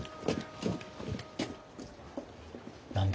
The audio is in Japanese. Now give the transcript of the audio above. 何だ？